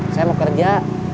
saya mau kerja